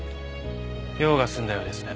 用が済んだようですね。